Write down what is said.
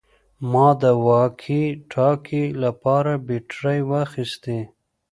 ما د واکي ټاکي لپاره بیټرۍ واخیستې